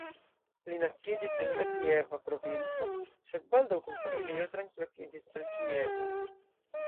Li naskiĝis en la Kieva provinco, sed baldaŭ kun familio translokiĝis al Kievo.